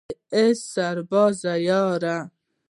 ای سربازه یاره